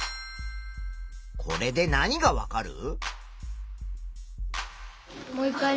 これで何がわかる？